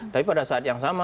tapi pada saat yang sama